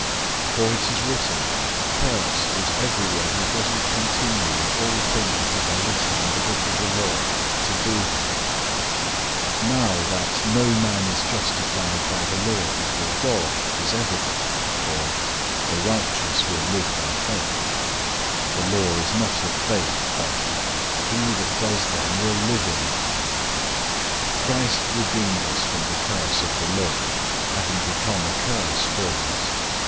For it is written, "Cursed is everyone who doesn't continue in all things that are written in the book of the law, to do them."{Deuteronomy 27:26} 003:011 Now that no man is justified by the law before God is evident, for, "The righteous will live by faith."{Habakkuk 2:4} 003:012 The law is not of faith, but, "The man who does them will live by them."{Leviticus 18:5} 003:013 Christ redeemed us from the curse of the law, having become a curse for us.